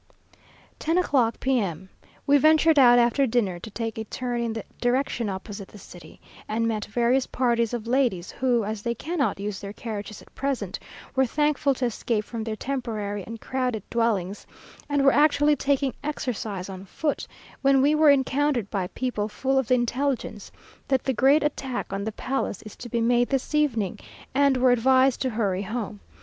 Ten o'clock, P.M. We ventured out after dinner to take a turn in the direction opposite the city, and met various parties of ladies, who, as they cannot use their carriages at present, were thankful to escape from their temporary and crowded dwellings, and were actually taking exercise on foot; when we were encountered by people full of the intelligence that the great attack on the palace is to be made this evening, and were advised to hurry home.